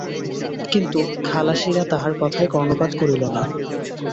কিন্তু খালাসিরা তাহার কথায় কর্ণপাত করিল না।